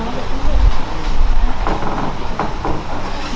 อ่อนแบบที่ไม่ให้ต้องตื่น